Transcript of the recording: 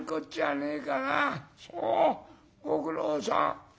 そうご苦労さん。